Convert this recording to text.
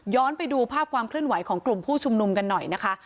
ไปดูภาพความเคลื่อนไหวของกลุ่มผู้ชุมนุมกันหน่อยนะคะ